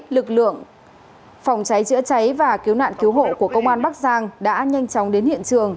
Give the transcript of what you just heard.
lực lượng phòng cháy chữa cháy và cứu nạn cứu hộ của công an bắc giang đã nhanh chóng đến hiện trường